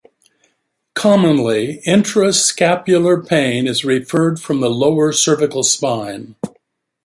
Commonly intra-scapular pain is referred from the lower cervical spine.